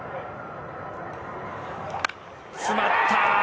詰まった！